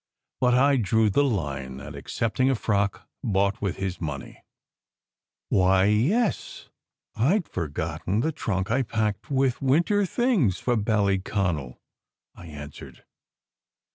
But I drew the line at accepting a frock bought with his money. "Why, yes, I d forgotten the trunk I packed up with winter things for Ballyconal," I answered.